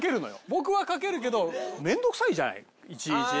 僕はかけるけど面倒くさいじゃないいちいち。